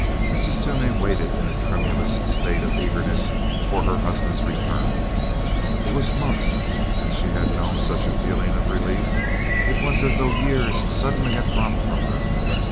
Mrs. Toomey waited in a tremulous state of eagerness for her husband's return. It was months since she had known such a feeling of relief; it was as though years suddenly had dropped from her.